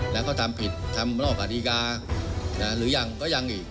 แล้วก็ทำผิดทำนอกกฎิกาหรือยังก็ยังอีก